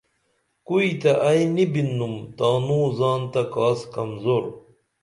کوئی تیہ ائی نی بِننُم تانوں زان تہ کاس کمزور